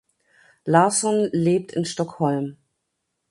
Larsson lebt in Stockholm.